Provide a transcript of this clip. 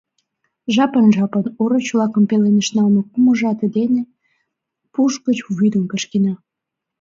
Жапын-жапын ороч-влакын пеленышт налме кумыж ате дене пуш гыч вӱдым кышкена.